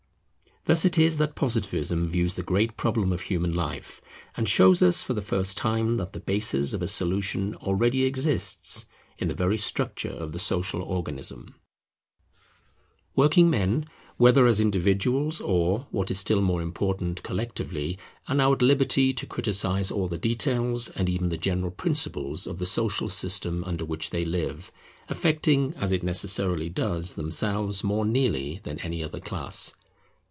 Thus it is that Positivism views the great problem of human life, and shows us for the first time that the bases of a solution already exist in the very structure of the social organism. [Working men's clubs] Working men, whether as individuals or, what is still more important, collectively, are now at liberty to criticize all the details, and even the general principles, of the social system under which they live; affecting, as it necessarily does, themselves more nearly than any other class.